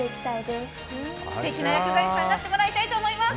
すてきな薬剤師さんになってもらいたいと思います。